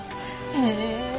へえ。